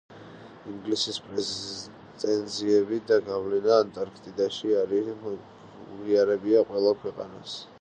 ინგლისის პრეტენზიები და გავლენა ანტარქტიდაში არ უღიარებია ყველა ქვეყანას.